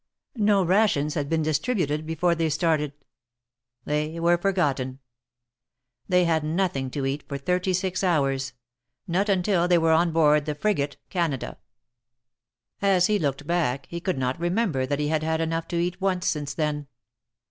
No rations had been dis tributed before they started. They were forgotten. They had nothing to eat for thirty six hours — not until they were on board tffe frigate " Canada." As he looked back, he could not remember that he had had enough to eat once since then.